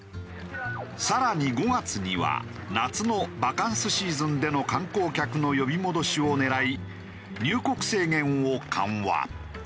更に５月には夏のバカンスシーズンでの観光客の呼び戻しを狙い入国制限を緩和。